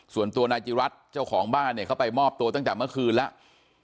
ส่วนตัวนายจิรัตน์เจ้าของบ้านเนี่ยเขาไปมอบตัวตั้งแต่เมื่อคืนแล้ว